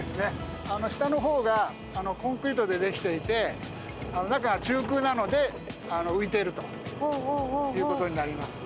下の方がコンクリートで出来ていて中が中空なので浮いているということになります。